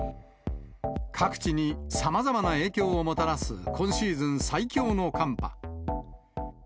各地にさまざまな影響をもたらす今シーズン最強の寒波。